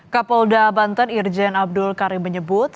kapolda banten irjen abdul karim menyebut